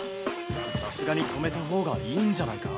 さすがに止めたほうがいいんじゃないか？